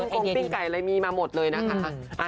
เอ็งปิ้งไก่อะไรมีมาหมดเลยนะคะ